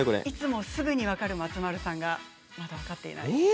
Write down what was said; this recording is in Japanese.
いつもすぐに分かる松丸さんが、まだ分かっていない。